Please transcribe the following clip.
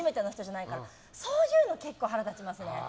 そういうの結構腹立ちますね。